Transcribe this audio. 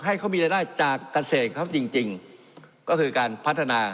ให้เขามีรายละเอียดจากกัฟเศษของเขาจริงจริงก็คือการพัฒนา